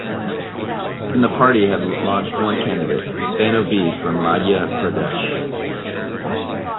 In the party had launched one candidate, Bano Bee from Madhya Pradesh.